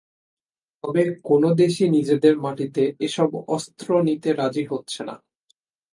তবে কোনো দেশই নিজেদের মাটিতে এসব অস্ত্র নিতে রাজি হচ্ছে না।